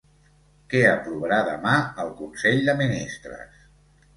Què aprovarà demà el consell de ministres?